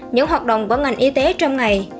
những hoạt động của ngành y tế trong ngày